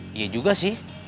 bener juga sih